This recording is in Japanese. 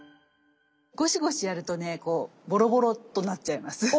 ごしごしやるとねこうボロボロっとなっちゃいます。